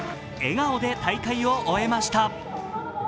笑顔で大会を終えました。